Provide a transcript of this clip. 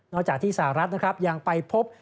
จากที่สหรัฐนะครับยังไปพบ